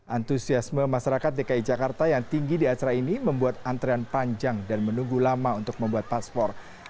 antusiasme masyarakat dki jakarta yang tinggi di acara ini membuat antrean panjang dan menunggu lama untuk membuat paspor